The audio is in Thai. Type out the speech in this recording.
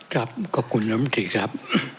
ครับขอบคุณน้ำมนตรีครับ